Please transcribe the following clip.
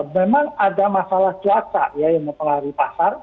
memang ada masalah cuaca ya yang mempengaruhi pasar